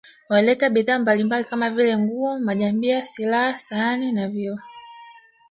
Walileta bidhaa mbalimbali kama vile nguo majambia silaha sahani na vioo